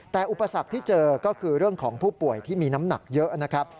แต่อุปสรรคที่เจอก็คือเรื่องของผู้ป่วยที่มีน้ำหนักเยอะนะครับ